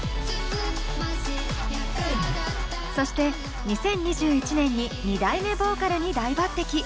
そして２０２１年に２代目ボーカルに大抜てき！